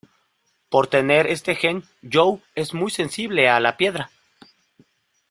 Por tener este gen Joe es muy sensible a la piedra.